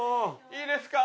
いいですか？